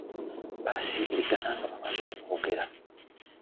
Basiibulagana nga bamaze okwogera.